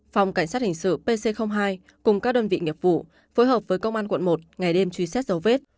phòng cảnh sát hình sự pc hai cùng các đơn vị nghiệp vụ phối hợp với công an quận một ngày đêm truy xét dấu vết